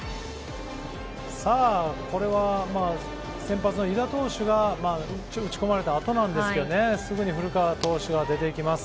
これは、先発の湯田投手が打ち込まれたあとなんですけど、すぐに古川投手が出てきます。